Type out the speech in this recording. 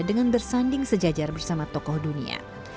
dengan bersanding sejajar bersama tokoh dunia